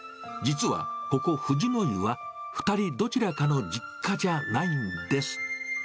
実はここ、藤乃湯は、２人どちらかの実家じゃないんです。